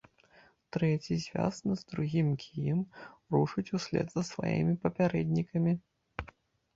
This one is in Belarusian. Трэці, звязаны з другім кіем, рушыць услед за сваімі папярэднікамі.